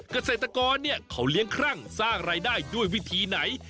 เกษตรกรเขาเลี้ยงครั่งสร้างรายได้ด้วยวิธีไหน